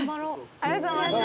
ありがとうございます。